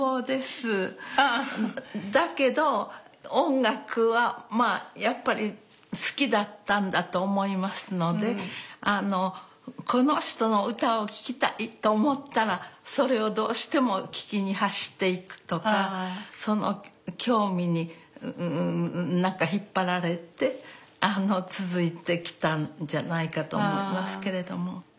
だけど音楽はまあやっぱり好きだったんだと思いますのであのこの人の歌を聴きたいと思ったらそれをどうしても聴きに走っていくとかその興味に引っ張られて続いてきたんじゃないかと思いますけれども。